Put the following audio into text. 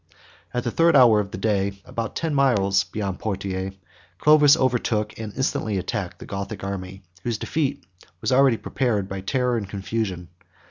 At the third hour of the day, about ten miles beyond Poitiers, Clovis overtook, and instantly attacked, the Gothic army; whose defeat was already prepared by terror and confusion.